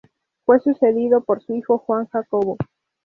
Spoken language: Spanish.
Fue sucedido por su hijo Juan Jacobo.